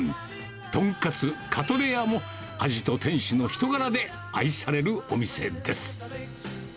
とんかつカトレヤも、味と店主の人柄で愛されるお店です。